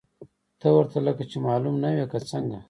ته ورته لکه چې معلوم نه وې، که څنګه؟